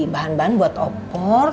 bahan bahan buat opor